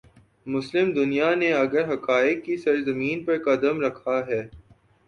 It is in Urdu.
مسلم دنیا نے اگر حقائق کی سرزمین پر قدم رکھا ہے۔